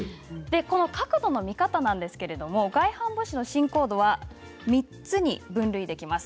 角度の見方なんですけれど外反母趾の進行度は３つに分類できます。